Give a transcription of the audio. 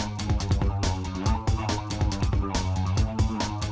aduh aduh aduh